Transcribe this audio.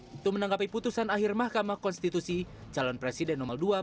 untuk menanggapi putusan akhir mahkamah konstitusi calon presiden nomor dua